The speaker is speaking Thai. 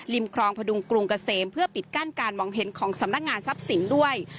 ครองพดุงกรุงเกษมเพื่อปิดกั้นการมองเห็นของสำนักงานทรัพย์สินด้วย